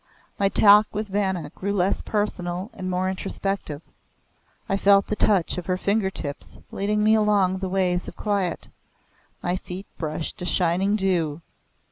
My talk with Vanna grew less personal, and more introspective. I felt the touch of her finger tips leading me along the ways of Quiet my feet brushed a shining dew.